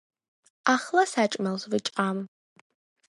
ახლა საჭმელს ვჭამ.